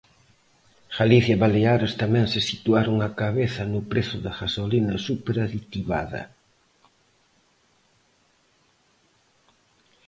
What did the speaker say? Galicia e Baleares tamén se situaron á cabeza no prezo da gasolina súper aditivada.